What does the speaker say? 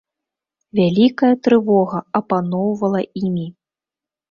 Вялікая трывога апаноўвала імі.